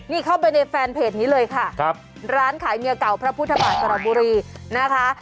นี่เข้าไปในแฟนเพจนี้เลยค่ะครับร้านขายเมียเก่าพระพุทธบาทสระบุรีนะคะ